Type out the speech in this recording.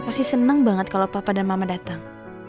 pasti senang banget kalau papa dan mama datang